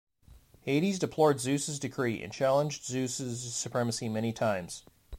Hades deplored Zeus' decree, and challenged Zeus' supremacy many times.